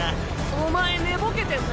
お前寝ぼけてんな。